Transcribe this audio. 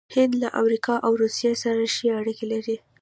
هند له امریکا او روسیې سره ښې اړیکې لري.